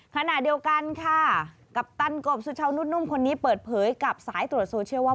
ขณะเดียวกันค่ะกัปตันกบสุชาวนุ่นุ่มคนนี้เปิดเผยกับสายตรวจโซเชียลว่า